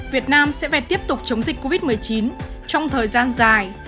việt nam sẽ phải tiếp tục chống dịch covid một mươi chín trong thời gian dài